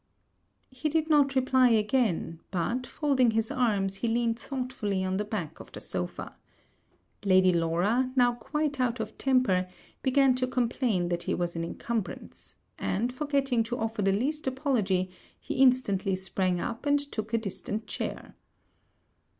He did not reply again; but, folding his arms, he leaned thoughtfully on the back of the sopha. Lady Laura, now quite out of temper, began to complain that he was an encumbrance; and, forgetting to offer the least apology, he instantly sprang up, and took a distant chair.